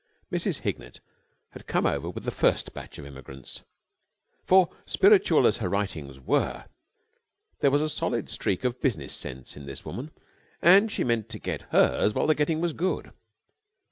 Mrs. Hignett had come over with the first batch of immigrants; for, spiritual as her writings were, there was a solid streak of business sense in this woman and she meant to get hers while the getting was good.